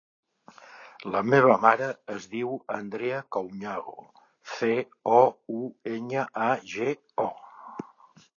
La meva mare es diu Andra Couñago: ce, o, u, enya, a, ge, o.